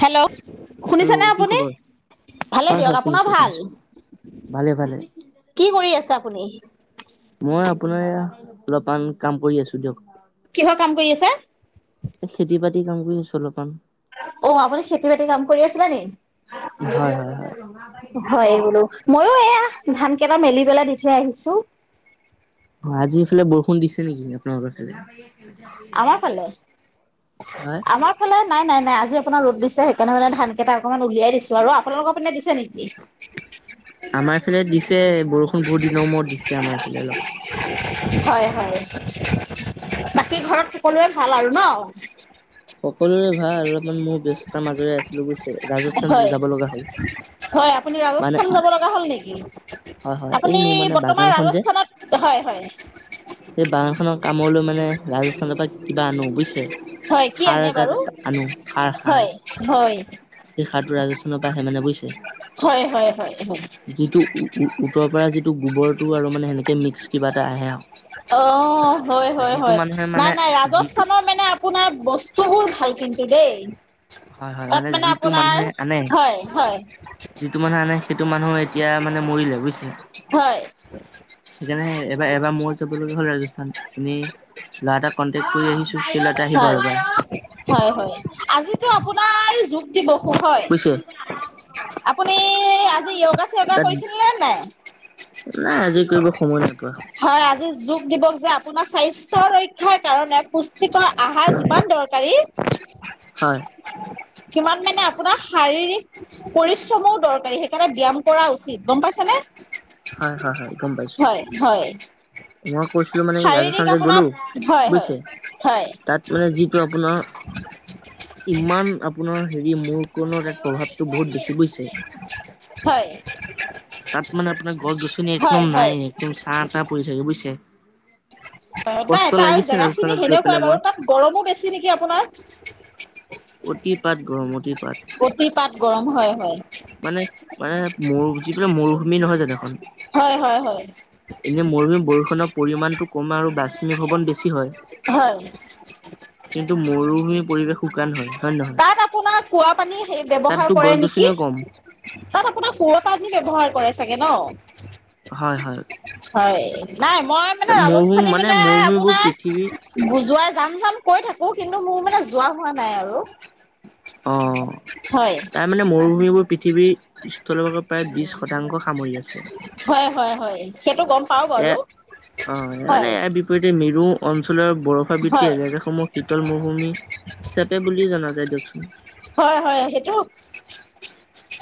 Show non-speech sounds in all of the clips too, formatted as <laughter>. Hello hello শুনিছেনে কি আপুনি? খবৰ? ভালে হয় দিয়ক, হয় আপোনাৰ শুনিছো ভাল? শুনিছো ভালে ভালে কি কৰি আছে আপুনি? মই আপোনাৰ এয়া অলপমান কাম কৰি আছো দিয়ক। কিহৰ কাম কৰি আছা? খেতি-বাতি কাম কৰি আছোঁ অলপমান। অ' আপুনি খেতি বাতি কাম কৰি আছিলা নি? হয় হয় হয়। হয় বোলো, মইো এয়া ধান কেইটা মেলি পেলাই দি থৈ আহিছো। অ' আজি এইফালে বৰ বৰষুণ দিছে নেকি আপোনালোকৰ আমাৰ ফালে, হয়? আমাৰ ফালে নাই, নাই, নাই আজি আপোনাৰ ৰ'দ দিছে সেইকাৰণে মানে ধান কেইটাকমান উলিয়াই দিছো আৰু আপোনালোকৰ পিনে দিছে নেকি? দি তে বৰষুণ বহুত দিনৰ মূৰত দিছে আমাৰ এফালে অলপ হয়, হয় বাকী ঘৰত সকলোৱে ভাল আৰু ন'? সকলোৰে ভাল অলপমান মোৰ ব্যস্ততাৰ মাজৰে আছে। হয়, হয় আপুনি মানে ৰাজস্থান যাব লগা হ'ল নেকি, হয় হয় এই আপুনি মোৰ মানে বৰ্তমান বাগানখন যে ৰাজস্থানত হয়-হয়। সেই বাগানখনৰ কামলৈ মানে ৰাজস্থানৰ পৰা কিবা আনো বুইছে হয় কি আনে বাৰু সাৰ হয়-হয়। সেই সাৰটো ৰাজস্থানৰ পৰা আহে মানে বুইছে হয় হয় হয় হয় যিটো উৰ -উৰ উতৰৰ পৰা যিটো গোবৰটো আৰু মানে সেনেকে মিক্স কিবা এটা আহে আও। অ' হয়-হয়-হয় নাই, মানে নাই যিটো ৰাজস্থানৰ মানে আপোনাৰ বস্তুবোৰ ভাল কিন্তু কিন্তু দেই হয়, হয় তাত মানে যিটো আপোনাৰ মানুহে আনে, হয় হয় যিটো মানুহে আনে সেইটো মানুহে এতিয়া মানে মৰিলে বুজিছে হয় সেইকাৰণে এবাৰ এবাৰ মোৰ হ'ল ৰাজস্থান এনেই ল'ৰা এটাক কনটেক্ট কৰি আহিছো সেই ল'ৰাটো আহিব হয় আৰু এইবাৰ হয় হয় আজিতো আপোনাৰ যো বসু হয় বুজিছে। আপুনি আজি য়োগা-স্যোগা তাত কৰিছিল নে নাই, নাই আজি কৰিব সময় নোপোৱা হয় আজি দ যে আপোনাৰ স্বাস্থ্য ৰক্ষাৰ কাৰণে এক খোজ আহাৰ যিমান দৰকাৰী হয় সিমান মানে আপোনাৰ শাৰীৰিক পৰিশ্ৰমো দৰকাৰী সেইকাৰণে ব্যায়াম কৰা উচিত গম পাইছানে? হয়-হয়-হয় গম পাইছো। হয় মই কৈছিলো মানে ৰাজস্থান শাৰীৰিক যে আপোনাৰ গ'লো হয় বুজিছে হয় তাত মানে যিটো আপোনাৰ ইমান আপোনাৰ অ' হেৰি মোৰ পুনৰ তাত প্ৰভাৱটো বহুত বেছি বুইছে, হয় তাত মানে আপোনাৰ গছ-গছনি হয় হয় একদম হয় নাই, একদম চা-তা পৰি থাকে বুইছে। অ' তাৰ জেগা খিনি ৰাজস্থানত গৈ সেনেকুৱাই পেলাই বাৰু মই তাত গৰমো বেছি নেকি আপোনাৰ? অতিপাত গৰম অতি অতিপাত গৰম হয়-হয়। মানে মানে মৰু যি মৰুভূমি নহয় জানো এখন হয় হয় হয় এনে মৰুভূমি বৰষুণৰ পৰিমাণটো কম আৰু বাষ্পীভৱন বেছি হয়। হয়। কিন্তু মৰুভুমি পৰিৱেশ শু শুকান হয়। হয় নে নহয়? তাত আপোনাৰ কুঁৱা পানী ব্যৱহাৰ তাততো কৰে গছ নেকি গছনিও কম তাত আপোনাৰ কুঁৱা পানী ব্যৱহাৰ কৰে চ চাগে ন হয় হয় হয় নাই মই মানে মৰুভূমি ৰাজস্থানী মানে মৰুভূমিবোৰ পৃথিৱী আপোনাৰ বুজোৱাই যাম যাম কৈ থাকো অ কিন্তু মোৰ মানে যোৱা হোৱা নাই আৰু অ হয় তাৰ মানে মৰুভূমিবোৰ পৃথিৱী তলভৰ প্ৰায় বিশ শতাংশ সামৰি আছে হয় হয় হয় সেইটো গম পাও বাৰু এয় অ মানে হয় ইয়াৰ বিপৰীতে মেৰু অঞ্চশ লৰ বৰফা বৃত্তি হয় এলেকাসমূহ শীতল মৌশুমি হিচাপে বুলিও জনা যায় কিয়কচোন হয় হয় সেইটো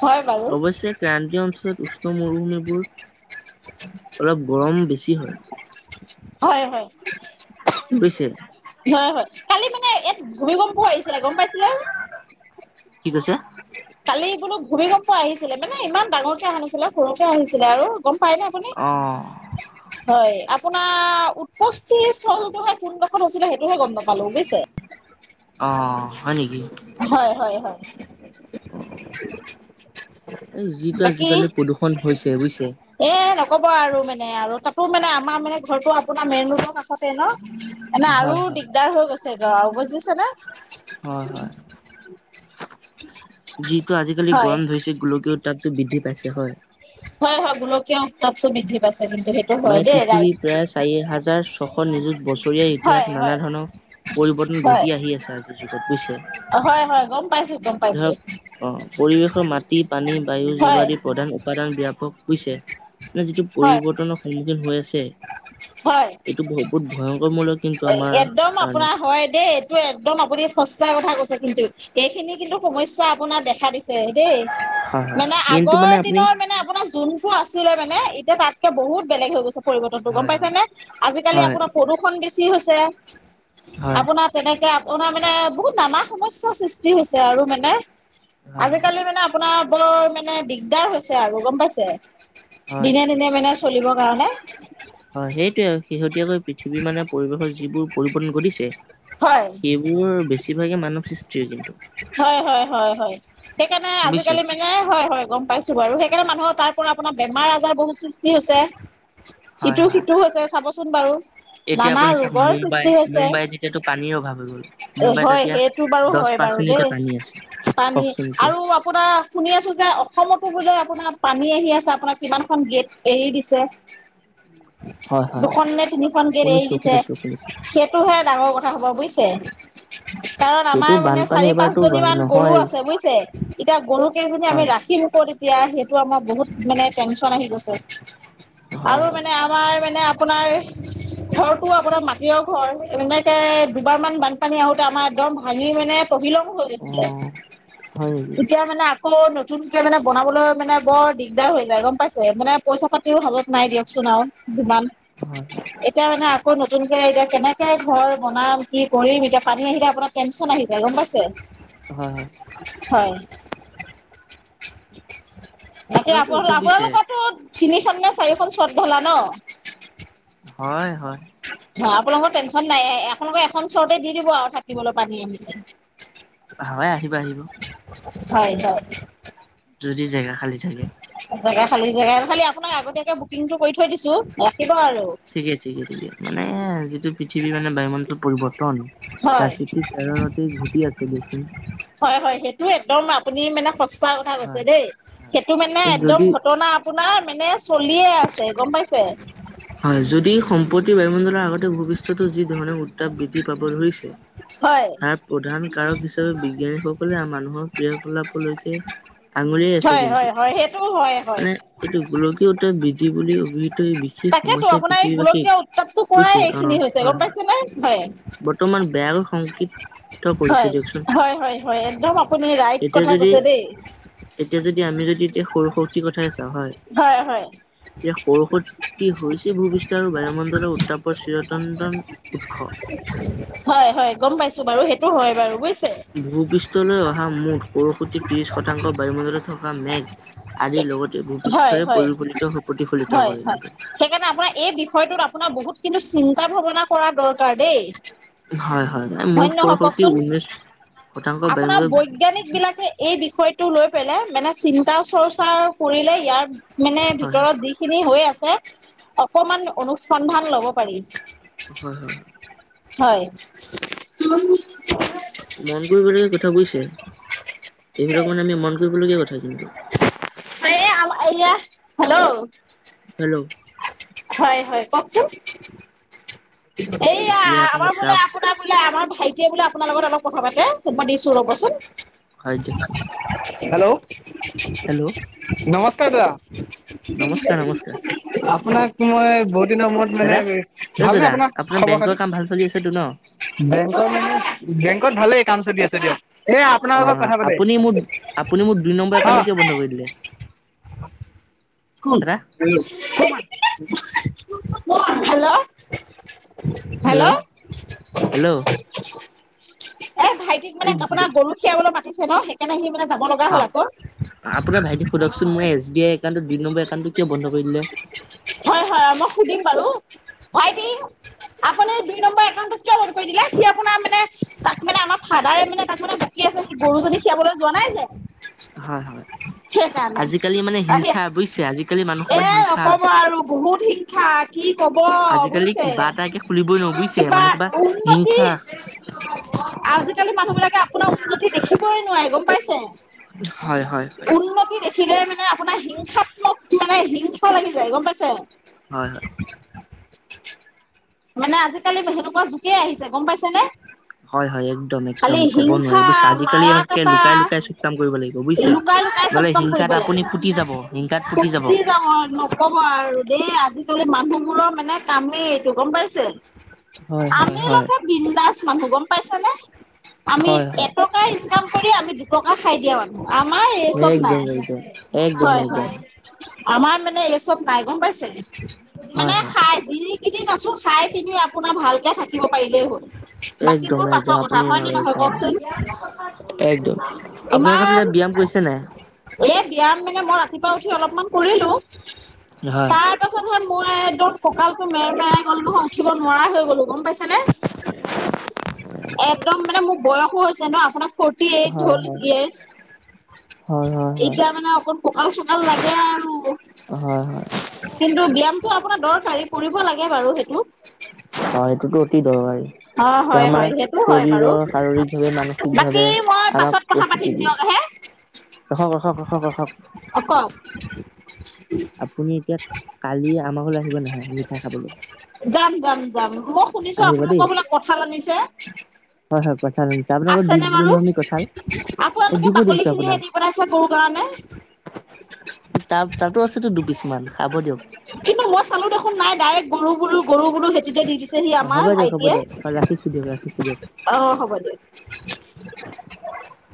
হয় বাৰু অৱশ্যে ক্ৰান্তি অ ছত উষ্ণ মৰুভূমিবোৰ অলপ গৰম বেছি কি হয় হয় হয় বুজিছে? হয় হয় কালি মানে ইয়াত ভূমি গম পোৱা আহিছিলে গম পাইছিলে কি কৈছে কালি বোলো ভূমিকম্প আহিছিলে মানে ইমান ডাঙৰকে অহা নাছিলে সৰুকে আহিছিলে আৰু গম পায়নে আপুনি অ হয় আপোনাৰ উপষ্টি ছ টকা কোন কষত হৈছিলে সেইটোহে গম নাপালো বুজিছে অ হয় নেকি হয় হয় হয় <inaudible> এই যিটো বাকী আজিকালি প্ৰদূষণ হৈছে তেৈ এ নকব আৰু মানে আৰু তাতো মানে আমাৰ মানে ঘৰটোো আপোনাৰ মেইন ৰোডত আাষতে ন এনেে আৰু হয় হয় দিগদাৰ হৈ গৈছে ৰও বজিছে ন হয় হয় জি টো আজিকালি হয় গৰম ধৰিছে গোলকও তাততটো বৃদ্ধি পাইছে হয় <unintelligible> বিধি পাছে মানে পৃথিৱীৰ প্ৰায় চাৰি হাজাৰ ছশ নিযুত বছৰীয়া হয় ইতিহাস নানা হয়। ধৰণৰ পৰিৱৰ্তন হয় ঘটি আহি আছে আজিৰ যুগত বুজিছে। হয় হয় গম পাইছো গম পাইছো ধৰক আহ পৰিৱেশ মাটিত পানী, বায়ু, জীৱ, হয় আদি প্ৰধান উপদান ইয়াকো বুজিছে, মানে যিটো হয় পৰিৱৰ্তনৰ হৈ আছে। হয়, এইটো বহুত ভয়ংকৰমূলক কিন্তু আমাৰ একদম কাৰণে আপোনাৰ হয় দেই, এইটো একদম আপুনি সঁচা কথা কৈছে কিন্তু, সেইখিনি কিন্তু সমস্যা আপোনাৰ দেখা দিছে দেই। হয় হয় মানে কিন্তু আগৰ মানে আপুনি দিনৰ মানে আপোনাৰ যোনটো আছিলে মানে এতিয়া তাতকে বহুত বেলেগ হৈ গৈছে পৰিৱৰ্তনটো গম হয় পাই হয় শুনিছেনে, আজিকালি হয় আপোনাৰ প্ৰদূষণ বেছি হৈছে ছে হয় আপোনাৰ তেনেকে অ', তাৰমানে, বহুত নানা সমস্যাৰ সৃষ্টি হৈছে। আৰু, মানে হয় হয় হয় আজিকালি, মানে, আপোনাৰ বৰ, মানে, দিগদাৰ হৈছে আৰু গম পাইছে হয় দিনে, দিনে মেনেজ চলিবৰ কাৰণে হয়, সেইটোৱেই। শেহতীয়াকৈ পৃথিৱী, মানে, পৰিৱেশৰ যিবোৰ পৰিপুন কৰিছে হয়, মানৱ সৃষ্টিৰ কিন্তু হয়, হয়, হয়, হয়। সেইকাৰণে বুজিছে আজিকালি, মানে, হয়, হয়, গম পাইছোঁ বাৰু সেই সেইকাৰণে মানুহৰ তাৰ পৰা আপোনাৰ বেমাৰ-আজাৰ বহুত সৃষ্টি ষ্টি হৈছে হয় হয় ইটো-সিটো হৈছে, চাব চোন বাৰু এতিয়া আপুনি চাওঁক মুম্বাই, মুম্বাই যেতিয়াতো এ, হয়, সেইটো বাৰু দহ হয়, বাৰু পাৰ্চেণ্ট এতিয়া দেই, পানী আছে পানী কওকচোন এতিয়া আৰু আপোনাৰ শুনি আছো যে, অসমত বোলো আপোনাৰ পানী আহি আছে, আপোনাৰ কিমানখন গেট এৰি দিছে। হয় হয় দুখন নে তিনিখন গেট এৰি শুনিছো দিছে, শুনিছো শুনিছো সেইটোহে ডাঙৰ কথ ডাঙৰ কথা হব বুজছে, কাৰণ সেইটো আমাৰ মানে বানপানী চাৰি পাঁচ এবাৰতো জনী মান গৰু নহয় আছে বুজিছে এতিয়া গৰু কেইজনী আমি হয় ৰাখিম ক'ত এতিয়া সেইটো আমাৰ বহুত মানে টেনশ্যন আহি গৈছে হয় আৰু হয় মানে আমাৰ মানে আপোনাৰ ঘৰটো আপোনাৰ মাটিৰৰ ঘৰ এনে দুবাৰমান বানপানী আহোঁতে আমাৰ একদম ভাঙি মানে তহিলং হৈ অ গৈছে হয় নেকি তেতিয়া মানে আকৌ নতুনকে মানে বনাবলৈ মানে বৰ দিগদাৰ হৈ যায়, গম পাইছে। মানে পইচা পা সও হালত নাই হয় দিয়কচোন আৰু যমান হয় এতিয়া মানে আকৌ কে এতিয়া কেনেকে ঘৰত বনাম কি কৰিম এতিয়া পানী আহিলে আপোনাৰ আহি গম হয় হয় পাইছে, হয়। <inaudible> খন আচলতে এইটো বুজিছে নে চাৰিখন শ্বট ধলা ন। হয় হয়। ধৰা পেলাবলৈ টেনশ্যন নাই য়ে। আপোনালোকে এখন চৰতে দি দিব আৰু থাকিবলৈ পানী আহিলে। হয় আহিব আহিব। <inaudible> যদি জেগা খালি থাকে। জেগা খালি জেগা খালি আপোনাক আগতীয়াকে বুকিংটো কৰি থৈ দিছো। ৰাখিব আৰু। ঠিকে ঠিকে ঠিকে মান যিটো পৃথিৱী মানে বায়ুমণ্ডল পৰিৱৰ্তন হয় প্ৰাকৃতিক কাৰণতেই ঘটি আছে দিয়কচোন। হয় হয় সেইটো একদম আপুনি মানে কথা কৈছে হয় দেই হয় সেইটো মানে একদম যদি ঘটনা আপোনাৰ মানে চলিয়ে আছে। গম পাইছে হয় যদি সম্পত্তি বায়ুমণ্ডলৰ আগতে ভৱিষ্যতো যি ধৰণৰ উত্তাপ বৃদ্ধি পাব। ধৰিছে হয়। তাৰ প্ৰধান কাৰক হিচাপে বিজ্ঞানীসকলে মানুহৰ ক্ৰিয়া কলাপলৈকে আঙুলিয়াই আছে হয় কিন্তু হয় হয় সেইটো হয় হয়। মানে এইটো গোলকীয়ত উত্তাপ বৃদ্ধি বুলি অভিহিত এই বিশেষ তাকেতো সমস্যাই আপোনাৰ এই পৃথিৱীবাসীক গোলকীয় উত্তাপটো বুজিছে পৰাই অ এইখিনি হৈছে হয় গ'ম হয় পাইছে নে? হয়। বৰ্তমান বেয়াকৈ সংকদ্ধ কৰিছে হয়, দিয়কচোন হয়, হয়, হয়, একদম আপুনি ৰাইট এতিয়া কথা যদি কৈছে দেই। এতিয়া যদি আমি যদি এতিয়া সৌৰ শক্তিৰ কথাই চাওঁ হয়, এতিয়া সৌৰ শক্তি হৈছে ভূপৃষ্ঠ আৰু বায়ুমণ্ডলৰ উত্তাপৰ চিৰতন্ত উৎস। হয় হয় গম পাইছো বাৰু সেইটো হয় বাৰু বুইছ ভূপৃষ্ঠলৈ অহা মুঠ সৌৰ শক্তি ত্ৰিশ শতাংশ বায়ুমণ্ডত থকা মেঘ আদিৰ লগতে হয়, ভূপৃষ্ঠৰে হয়, পৰিফলিত প্ৰতিফলিত হয়, কৰে হয়। কিন্তু। সেইকাৰণে আপোনাৰ এই বিষয়টোত আপোনাৰ বহুত কিন্তু চিন্তা ভাৱনা কৰা দৰকাৰ দেই। হয় হয় মুঠ ধন্য হয় সৌৰশক্তি কওকচোন ঊনৈশ শতাংশ আপোনাৰ বায়ুমণ্ডলত বৈজ্ঞানিক বিলাকে এই বিষয়টো লৈ পেলে মানে চিন্তা চৰ্চা কৰিলে ইয়াৰ মানে হয় ভিতৰত হয় যিখিনি হৈ আছে অকণমান অনুসন্ধান লব পাৰি হয় হয় হয় উ মন কৰিবলগীয়া কথা বুজিছে এইবিলাক মানে আমি মন কৰিবলগীয়া কথা কিন্তু এয়া হেল্ল' হেল্ল' হয় হয় কওকচোন এইয়া এতিয়া আপুনি আমাৰ বোলে চাওক আপোনাৰ বোলে আমাৰ ভাইটিয়ে বোলে আপোনাৰ লগত অলপ কথা পাতে অকণমান দিছো ৰ'বচোন হয় দিয়কচোন হেল্ল' হেল্ল' নমস্কাৰ কা নমস্কাৰ নমস্কাৰ। আপোনাক মই বহুত দিনৰ মূৰত মানে দাদা অ ভালনেে দাদা আপোনাৰ খবৰ বেংকৰ খাতি কাম ভাল চলি আছেতো ন বেংকৰ মানে বেংকত ভালে কাম চলি আছে দিয়ক এ আপোনাৰ অ লগত কথা পাতে আপুনি মোৰ আপুনি মোৰ দুই নম্বৰ অ একাউণ্টটো কিয় বন্ধ কৰি দিলে ক দাদা হেল্ল' হেল্ল' হেল্ল' এ ভাইটিক মানে এই আপোনাৰ গৰু খিৰাবলৈ মাতিছে ছে ন সেইকাৰে সি মানে যাব লগা হ'ল আকৌ আপোনাৰ ভাইটি সোধকচোন‌ মোৰ এই এছ বি আই একাউণ্টটো দুই নম্বৰএকাউণ্ট টো কিয় বন্ধ কৰিলে হয় হয় মই সুধিম বাৰু ভাইটি আপুনি এই দুই নম্বৰ একাউণ্টটো কৰি দিলে সি আপোনাৰ মানে তাক মানে আমাৰ ফাদাৰে মানে তাত মানে বকি আছে সেই গৰু খিনি খিয়াবলৈ যোৱানাই যে হয় হয় সেইকাৰণে আজিকালি মানে আহি হিংসা বুজিছে আজিকালি মানুহ বাাৰ হিংসা ঠিক ঠাক কি কব আজিকালি বুজিছে কিবা এটাকে খুলিবই নোৱাৰো বুজিছে কিবা মানুহ সোপা উন্নতি হিংসা আজিকালি মানুহ বিিলাকে আপোনাৰ উন্নতি দেখিবই নোৱাৰে গম পাইছে হয় হয় হয় উন্নতি দেখিলে মানে আপোনাৰ হিংসাত্মক মানে হিংসা লাগি যায় গম পাইছে হয় হয় মানে আজিকালি সেনেকুৱা জোকে আহিছে গম পাইছে নে হয় হয় একদম খালি একদম কব নোৱাৰি হিংসা বুজ আজিকালি মাৰা একে কটা লুকাই লুকাই চব কাম কৰিব লাগিব বুজিছে লুকাই লুকাই চব নলে কাম হিংসাত কৰিব লাগে আপুনি পুতি যাব হিংসাত পুতি যাব ফুটি নকব আৰু দেই আজিকালি মানুহবোৰৰ মানে কামেই ত গম পাইছে হয় হয় আমি হয় লগকে বিনন্দাজ মানুহ গম পাইছে নে আমি হয় হয় এটকা ইনকাম কৰি আমি দুটকা খাই দিয়া মানুহ আমাৰ এই চব নাই একদম একদম একদম হয় হয় একদম আমাৰ মানে নে এই চব নাই গম পাইছে মানে হয় হয় খাই যি কেইদিন আছো খাই পিনি আপোনাৰ ভালকে থাকিব পাৰিলেই হ'ল একদম বাকীবোৰ একদম পাছৰ কথা আপুনি এক হয় নে নহয় কওকচোন একদম আপোনালোক চাইডে ব্যায়াম কৰিছে নাই ব্যয়াম মানে মই ৰাতিপুৱা উঠি অলপমান কৰিলোঁ হয় তাৰ পাছত হে মই <unintelligible> মেৰ মেৰাই গল নহয় উঠিব নোৱাৰা হৈ গলো গম পাইছে নে একদম মানে মোক বয়সো হৈছে ন আপোনাৰ ফৰ্টি এইট হয় হল হয় ইয়াৰ্চ হয় হয় হয় এতিয়া মানে অকণ সকাল চকাল লাগে আৰু হয় হয় কিন্তু ব্যয়ামটো দহ চাৰি ফুৰিব লাগে বাৰু সেইটো অ সেইটোতো অতি দৰকাৰী অ এইটো হয় আমাৰ হয় সেইটো হয় বাৰু শৰীৰৰ শাৰীৰিকভাৱে বাকী মানসিকভাৱে মই আমাক পাছত কথা প্ৰস্তুতি পাতিম দিয়ে দিয়ক হে ৰখক ৰখক ৰখক ৰখক কওক আপুনি এতিয়া কালি আমাৰ ঘৰলৈ আহিব নাহে মিঠাই খাবলৈ যাম যাম যাম মই শুনিছো আহিব দেই আপোনালোকৰ বোলাক কঠাঁল আনিছে হয় হয় কঁঠাল আনিছে আপোনালোকক দি আছেনে দিলো বাৰু নহয় আমি কঁঠাল এ আপোনালোকে দিব দি বাকলি আছো খিনিহে আপোনাক দি পথাইছে গৰু কাৰণে তাৰ তাতো আছেতো দুপিছ মান খাব দিয়ক কিন্তু মই চালো দেখোন ডাইৰেক্ট গৰু গৰু সৰু গৰু সেটোতে দি দিছে সি হ'ব আমাৰ দিয়ক হ'ব ভাইটিয়ে দিয়ক ৰাখিছো দিয়ক ৰাখিছো দিয়ক অ হ'ব দেিয়